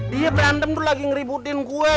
dia berantem tuh lagi ngeributin gue